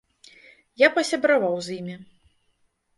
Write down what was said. Я пасябраваў з імі.